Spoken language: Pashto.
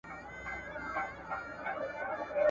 د ژوندون سفر لنډی دی مهارت غواړي عمرونه ,